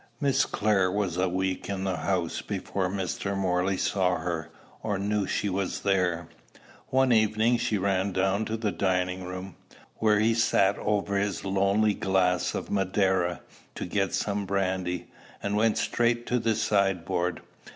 Miss Clare was a week in the house before Mr. Morley saw her, or knew she was there. One evening she ran down to the dining room, where he sat over his lonely glass of Madeira, to get some brandy, and went straight to the sideboard.